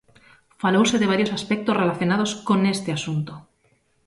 Falouse de varios aspectos relacionados con este asunto.